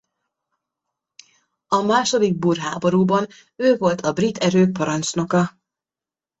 A második búr háborúban ő volt a brit erők parancsnoka.